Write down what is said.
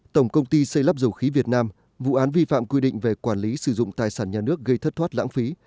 tổng công ty xây lắp dầu khí việt nam vụ án vi phạm quy định về quản lý sử dụng tài sản nhà nước gây thất thoát lãng phí